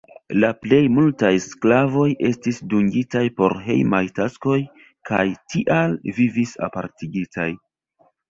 La plej multaj sklavoj estis dungitaj por hejmaj taskoj kaj tial vivis apartigitaj.